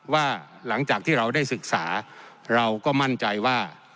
ว่าหลังจากที่เราได้ศึกษาเราก็มั่นใจว่า